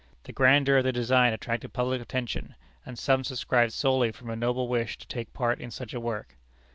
The grandeur of the design attracted public attention, and some subscribed solely from a noble wish to take part in such a work.